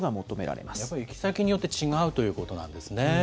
やっぱり行き先によって違うということなんですね。